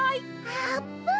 あーぷん！